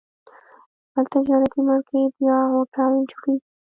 بل تجارتي مارکیټ یا هوټل جوړېږي.